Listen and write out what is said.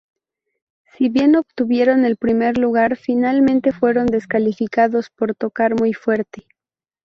Si bien obtuvieron el primer lugar, finalmente fueron descalificados por tocar muy fuerte.